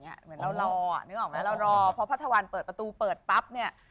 นึกออกมั้ยเรารอพอพระธวรรณเปิดประตูเปิดปั๊บเนี่ย